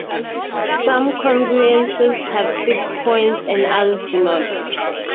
Some congruences have fixed points and others do not.